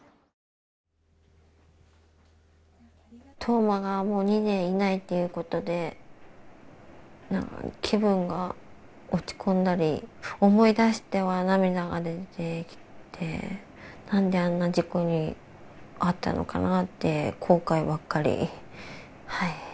冬生がもう２年いないっていうことで気分が落ち込んだり思い出しては涙が出てきてなんであんな事故に遭ったのかなって。